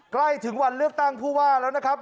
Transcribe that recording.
ใกล้ถึงวันเลือกตั้งผู้ว่าแล้วนะครับ